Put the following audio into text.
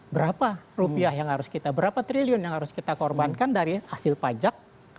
berapa rupiah yang harus kita berapa triliun yang harus kita korbankan dari hasil pajak